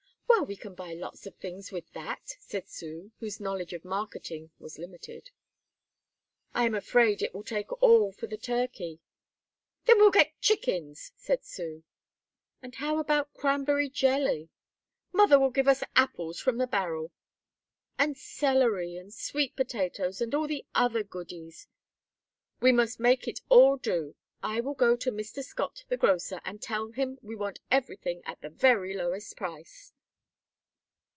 "Well, we can buy lots of things with that," said Sue, whose knowledge of marketing was limited. "I am afraid it will take all for the turkey." "Then we'll get chickens," said Sue. "And how about cranberry jelly?" "Mother will give us apples from her barrel." "And celery, and sweet potatoes, and all the other goodies?" "We must make it all do. I will go to Mr. Scott, the grocer, and tell him we want everything at the very lowest price."